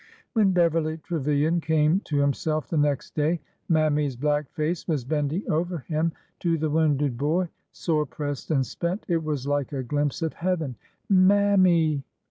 When Beverly Trevilian came to himself the next day. Mammy's black face was bending over him. To the wounded boy, sore pressed and spent, it was like a glimpse of heaven. Mammy!"